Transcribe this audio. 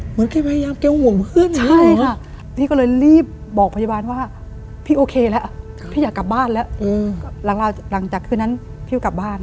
แกพยายามแกห่วงเพื่อนใช่ค่ะพี่ก็เลยรีบบอกพยาบาลว่าพี่โอเคแล้วพี่อยากกลับบ้านแล้วหลังจากคืนนั้นพี่ก็กลับบ้าน